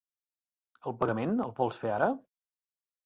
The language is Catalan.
El pagament el vols fer ara?